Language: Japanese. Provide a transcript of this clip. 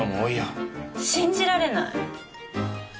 信じられない！